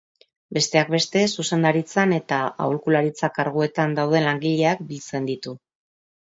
Besteak beste, zuzendaritzan eta aholkularitza karguetan dauden langileak biltzen ditu.